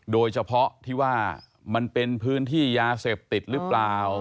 โดยเฉพาะที่ว่ามันเป็นพื้นที่ยาเสพติดหรือเปล่า